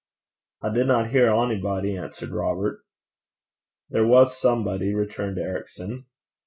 'I dinna hear onybody,' answered Robert. 'There was somebody,' returned Ericson.